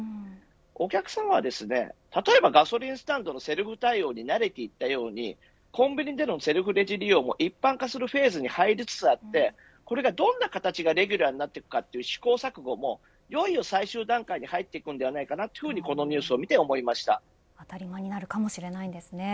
お客さまは例えばガソリンスタンドのセルフ対応に慣れていったようにコンビニでのセルフレジ利用も一般化するフェーズに入りつつあってこれがどんな形がレギュラーになっていくかという試行錯誤もいよいよ最終段階に入っていきそうだと当たり前になるかもしれないんですね。